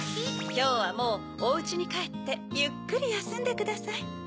きょうはもうおウチにかえってゆっくりやすんでください。